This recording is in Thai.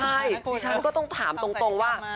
ใช่ดิฉันก็ต้องถามตรงว่า